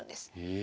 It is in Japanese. え？